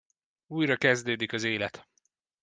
Újra kezdődik az élet!